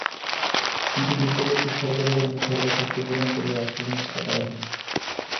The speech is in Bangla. কিন্তু বিদ্যালয়টি সরকারীকরণের সব শর্ত পূরণ করলেও আজ পর্যন্ত তা করা হয়নি।